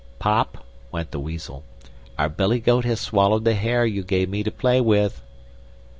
"Pop," went the Weasel, "our billy goat has swallowed the hare you gave me to play with."